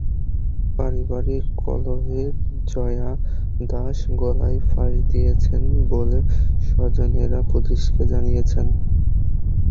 পারিবারিক কলহে জয়া দাস গলায় ফাঁস দিয়েছেন বলে স্বজনেরা পুলিশকে জানিয়েছেন।